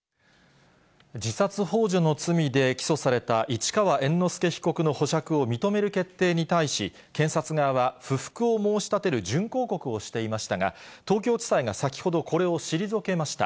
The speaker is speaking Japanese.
自殺ほう助の罪で起訴された市川猿之助被告の保釈を認める決定に対し、検察側は不服を申し立てる準抗告をしていましたが、東京地裁が先ほど、これを退けました。